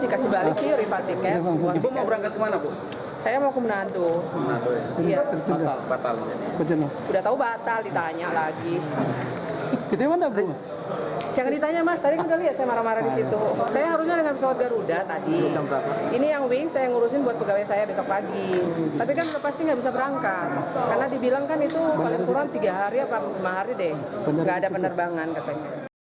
karena dibilang kan itu paling kurang tiga hari atau lima hari deh nggak ada penerbangan katanya